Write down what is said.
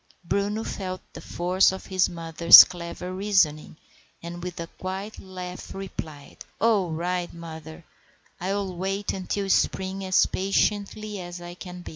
Bruno felt the force of his mother's clever reasoning, and with a quiet laugh replied,— "All right, mother: I'll wait until spring as patiently as I can."